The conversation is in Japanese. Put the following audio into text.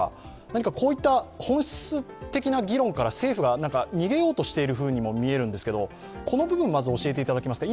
何かこういった本質的な議論から政府が逃げようとしているようにも見えるんですが、この部分をまず教えていただけますか。